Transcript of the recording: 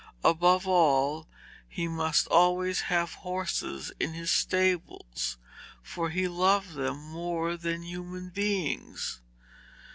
Above all, he must always have horses in his stables, for he loved them more than human beings.